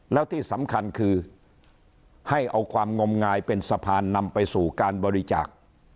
แล้วที่สำคัญคือให้เอาความงมงายเป็นสะพานนำไปสู่การบริจาค